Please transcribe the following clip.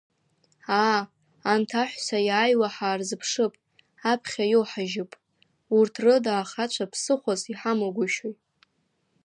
Аа, анҭ аҳәса иааиуа ҳаарзыԥшып, аԥхьа иауҳажьып, урҭ рыда ахацәа ԥсыхәас иҳамагәышьои…